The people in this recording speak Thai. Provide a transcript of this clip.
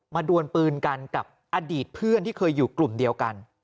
ดวนปืนกันกับอดีตเพื่อนที่เคยอยู่กลุ่มเดียวกัน